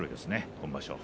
今場所。